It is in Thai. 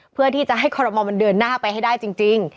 เพื่อที่จะให้คอรมอลมันเดินหน้าไปให้ได้จริง